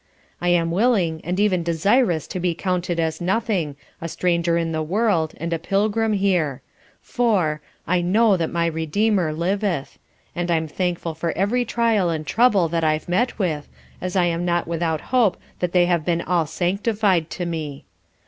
I am willing, and even desirous to be counted as nothing, a stranger in the world, and a pilgrim here; for "I know that my Redeemer liveth," and I'm thankful for every trial and trouble that I've met with, as I am not without hope that they have been all sanctified to me.